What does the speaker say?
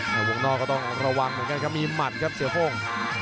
แต่วงนอกก็ต้องระวังเหมือนกันครับมีหมัดครับเสือโค้ง